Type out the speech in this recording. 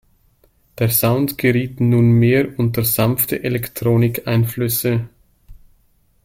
Der Sound geriet nun mehr unter sanfte Electronic-Einflüsse.